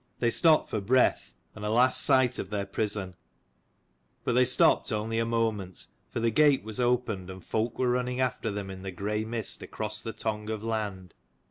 They stopped for breath, and a last sight of their prison : but they stopped only a moment, for the gate was opened and folk were running after them in the grey mist across the tongue of land.